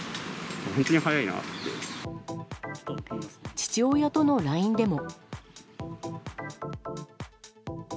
父親とのＬＩＮＥでも。